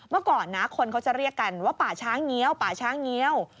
เมื่อก่อนนะคนเขาจะเรียกกันว่าป่าช้าเงี้ยวป่าช้าเงี้ยว